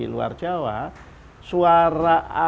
luar jawa suara